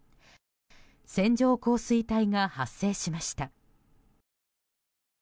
線状降水帯が発生しました。